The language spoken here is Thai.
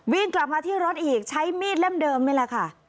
วิ่งกลับมาที่รถอีกใช้มีดเล่มนี่แหละค่ะ